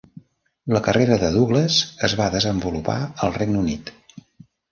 La carrera de Douglas es va desenvolupar al Regne Unit.